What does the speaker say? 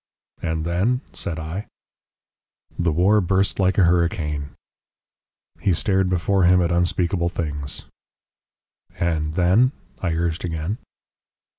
"And then?" said I. "The war burst like a hurricane." He stared before him at unspeakable things. "And then?" I urged again.